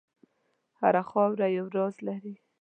هره خاوره یو راز لري.